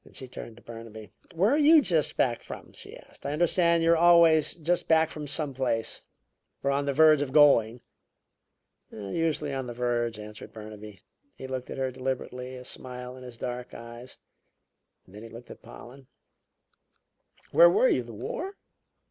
She turned to Burnaby. "Where are you just back from?" she asked. "I understand you are always just back from some place, or on the verge of going." "Usually on the verge," answered Burnaby. He looked at her deliberately, a smile in his dark eyes; then he looked at Pollen. "Where were you the War?"